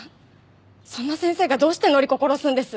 そんな先生がどうして範子を殺すんです？